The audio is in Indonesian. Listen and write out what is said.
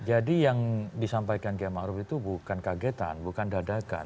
jadi yang disampaikan km arief itu bukan kagetan bukan dadakan